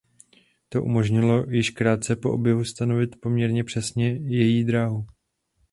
To umožnilo již krátce po objevu stanovit poměrně přesně její dráhu.